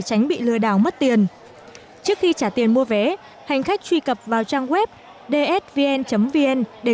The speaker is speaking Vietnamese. tránh bị lừa đảo mất tiền trước khi trả tiền mua vé hành khách truy cập vào trang web dsvn vn vn để